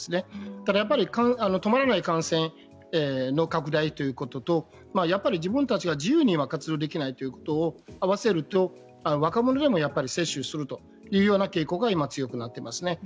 ただ、止まらない感染の拡大というところとやっぱり自分たちが今、自由に活動できないということを合わせると若者でも接種するというような傾向が今、強くなっていますね。